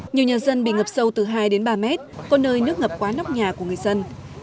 nhiều nhà dân bị ngập sâu từ hai đến ba mét có nơi nước ngập quá nóc nhà của người dân